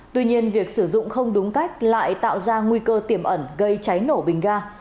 tuy nhiên việc sử dụng không đúng cách lại tạo ra nguy cơ tiềm ẩn gây cháy nổ bình ga